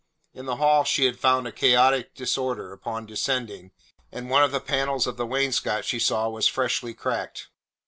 In the hall she had found a chaotic disorder upon descending, and one of the panels of the wainscot she saw was freshly cracked.